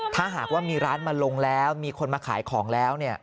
ถ้าหากว่ามีร้านมาลงแล้วมีคนมาขายของแล้ว